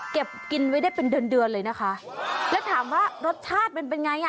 เก็บกินไว้ได้เป็นเดือนเดือนเลยนะคะแล้วถามว่ารสชาติมันเป็นไงอ่ะ